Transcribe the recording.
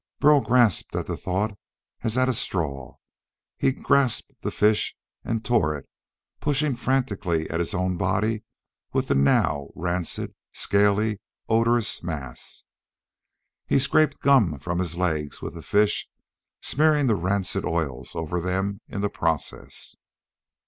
Burl grasped at the thought as at a straw. He grasped the fish and tore it, pushing frantically at his own body with the now rancid, scaly, odorous mass. He scraped gum from his legs with the fish, smearing the rancid oils all over them in the process.